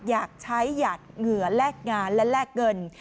อยากใช้อยากเหงื่อแลกงานและแลกเงิน